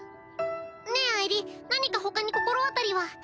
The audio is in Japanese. ねえあいり何かほかに心当たりは。